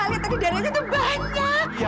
kau lihat tadi dianra itu banyak